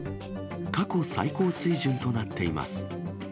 過去最高水準となっています。